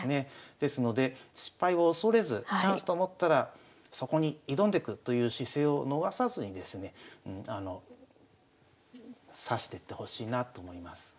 ですので失敗を恐れずチャンスと思ったらそこに挑んでくという姿勢を逃さずにですね指してってほしいなと思います。